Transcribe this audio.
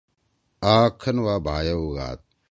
آ کھن وا بھائے ہُوگاد۔